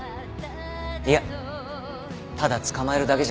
いやただ捕まえるだけじゃないですよ。